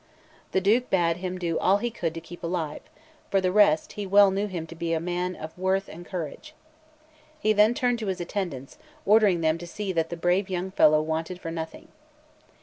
The Duke bade him do all he could to keep alive; for the rest, he well knew him to be a man of worth and courage, He then turned to his attendants, ordering them to see that the brave young fellow wanted for nothing.